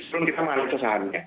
tujuan kita mengalami susahannya